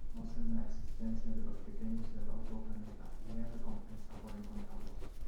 Conocen la existencia de "los pequeños" del otro planeta y hay recompensa por encontrarlos.